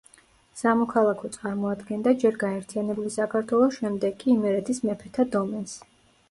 სამოქალაქო წარმოადგენდა ჯერ გაერთიანებული საქართველოს, შემდეგ კი იმერეთის მეფეთა დომენს.